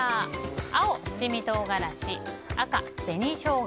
青、七味唐辛子赤、紅ショウガ